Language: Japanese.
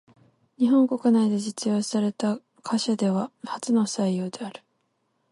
日本国内で実用された貨車では初の採用である。